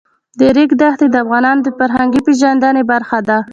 د ریګ دښتې د افغانانو د فرهنګي پیژندنې برخه ده.